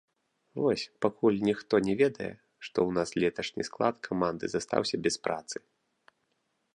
Вось, пакуль ніхто не ведае, што ў нас леташні склад каманды застаўся без працы.